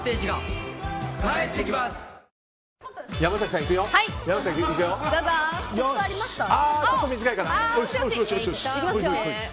ちょっと短いかな。